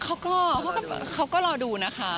เขาก็เขาก็รอดูนะคะ